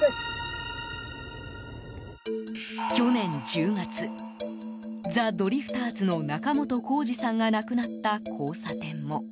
去年１０月ザ・ドリフターズの仲本工事さんが亡くなった交差点も。